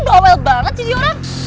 bawel banget sih dia orang